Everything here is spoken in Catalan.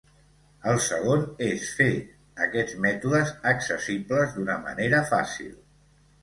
El segon és fer aquests mètodes accessibles d'una manera fàcil.